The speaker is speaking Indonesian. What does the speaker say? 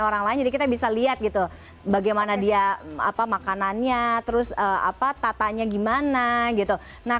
orang lain jadi kita bisa lihat gitu bagaimana dia apa makanannya terus apa tatanya gimana gitu nah